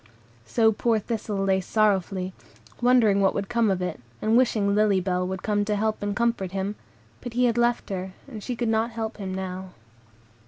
So poor Thistle lay sorrowfully, wondering what would come of it, and wishing Lily Bell would come to help and comfort him; but he had left her, and she could not help him now.